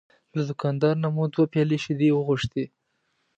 له دوکاندار نه مو دوه پیالې شیدې وغوښتې.